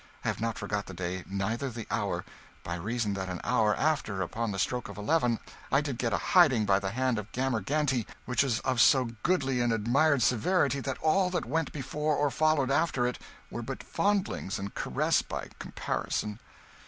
. I have not forgot the day, neither the hour; by reason that an hour after, upon the stroke of eleven, I did get a hiding by the hand of Gammer Canty which was of so goodly and admired severity that all that went before or followed after it were but fondlings and caresses by comparison."